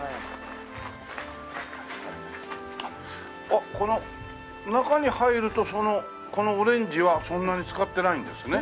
あっこの中に入るとこのオレンジはそんなに使ってないんですね。